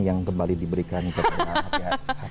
yang kembali diberikan ke rumah